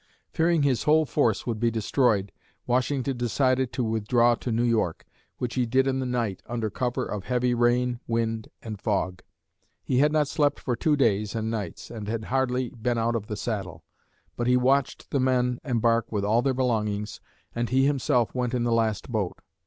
Fearing his whole force would be destroyed, Washington decided to withdraw to New York, which he did in the night, under cover of heavy rain, wind and fog. He had not slept for two days and nights and had hardly been out of the saddle, but he watched the men embark with all their belongings, and he himself went in the last boat.